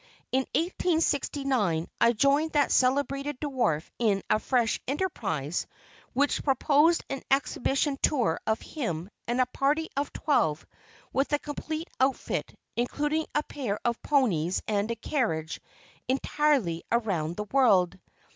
In 1869, I joined that celebrated dwarf in a fresh enterprise which proposed an exhibition tour of him and a party of twelve, with a complete outfit, including a pair of ponies and a carriage, entirely around the world.